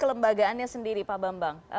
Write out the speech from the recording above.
apa lembagaannya sendiri pak bambang